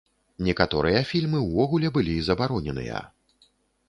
Некаторыя фільмы ўвогуле былі забароненыя.